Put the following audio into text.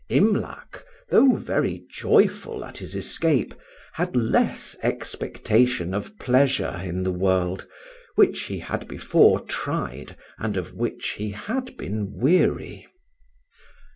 Imlac, though very joyful at his escape, had less expectation of pleasure in the world, which he had before tried and of which he had been weary.